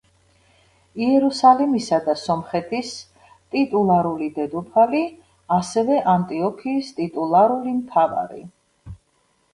იერუსალიმისა და სომხეთის ტიტულარული დედოფალი, ასევე ანტიოქიის ტიტულარული მთავარი.